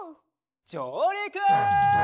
じょうりく！